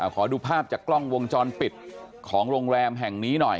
ขอดูภาพจากกล้องวงจรปิดของโรงแรมแห่งนี้หน่อย